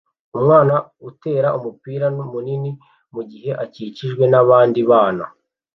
Umwana utera umupira munini mugihe akikijwe nabandi bana